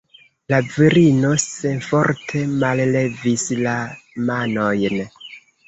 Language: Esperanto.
La virino senforte mallevis la manojn.